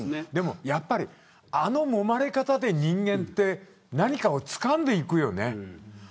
でもやはりあのもまれ方で人間って何かをつかんでいくよね。